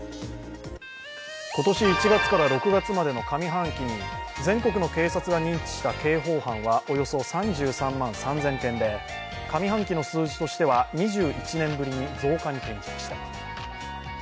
今年１月から６月までの上半期に全国の警察が認知した刑法犯はおよそ３３万３０００件で上半期の数字としては２１年ぶりに増加に転じました。